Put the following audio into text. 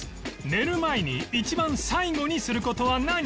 寝る前に一番最後にする事は何？